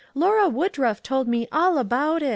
Lora Woodruff told me all about it."